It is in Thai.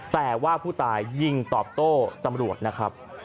แต่ว่าผู้ตายยิงตอบโต้ตำรวจนะครับ